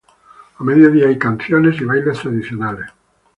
A mediodía hay canciones y bailes tradicionales.